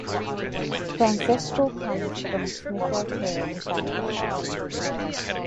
Francisco comes from a snooker-playing family.